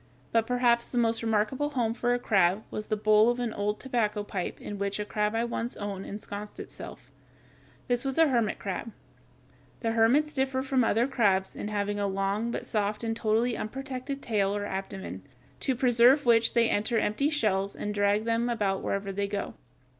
But perhaps the most remarkable home for a crab was the bowl of an old tobacco pipe in which a crab I once owned ensconced itself. This was a hermit crab (Fig. 152). The hermits differ from other crabs in having a long, but soft and totally unprotected tail or abdomen, to preserve which they enter empty shells and drag them about wherever they go.